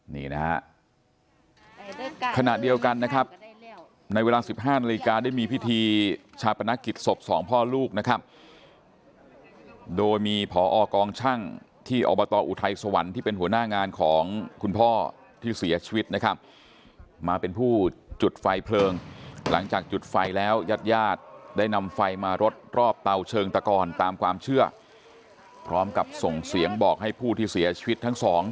นี่นะครับขณะเดียวกันนะครับในเวลาสิบห้านาฬิกาได้มีพิธีชาติประนักกิจศพสองพ่อลูกนะครับโดยมีผ่ออกองช่างที่อบตออุไทยสวรรค์ที่เป็นหัวหน้างานของคุณพ่อที่เสียชีวิตนะครับมาเป็นผู้จุดไฟเพลิงหลังจากจุดไฟแล้วยาดยาดได้นำไฟมารถรอบเตาเชิงตะกอนตามความเชื่อพร้อมกับส่งเสียง